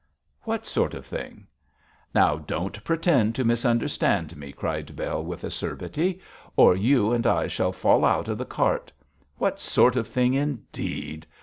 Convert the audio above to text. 'What sort of thing?' 'Now, don't pretend to misunderstand me,' cried Bell, with acerbity, 'or you and I shall fall out of the cart. What sort of thing indeed!